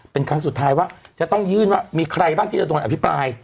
เป็นครั้งสุดท้ายว่าจะต้องยื่นว่ามีใครบ้างที่จะโดนอภิปราย